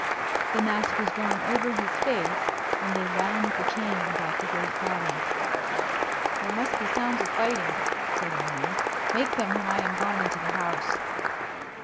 The mask was drawn over his face, and they wound the chain about the great body. "There must be sounds of fighting," said Elaine. "Make them when I am gone into the house."